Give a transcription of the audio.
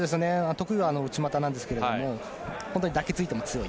得意は内股なんですけれども本当に抱き着いても強い。